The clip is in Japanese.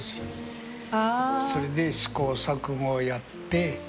それで試行錯誤やって。